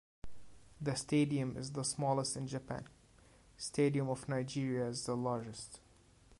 The stadium is the smallest in Japan, stadium of Nigeria is the largest.